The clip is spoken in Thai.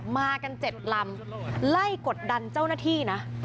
มากัน๗ลำไล่กดดันเจ้าหน้าที่นะ